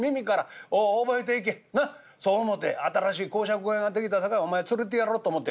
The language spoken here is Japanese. そう思て新しい講釈小屋が出来たさかいお前連れてやろうと思て」。